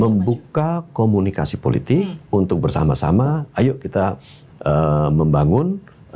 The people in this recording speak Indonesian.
membuka komunikasi politik untuk bersama sama ayo kita membangun